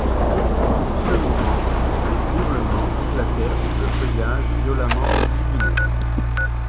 En ce moment des hurlements éclatèrent sous le feuillage violemment illuminé.